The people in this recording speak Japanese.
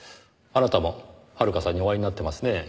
あなたも遥さんにお会いになってますね？